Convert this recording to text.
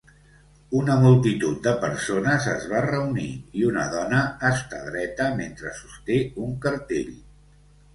Una multitud de persones es va reunir, i una dona està dreta mentre sosté un cartell.